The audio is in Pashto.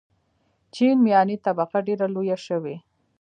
چین میاني طبقه ډېره لویه شوې.